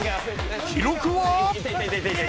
記録は？